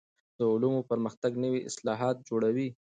د علومو پرمختګ نوي اصطلاحات جوړوي.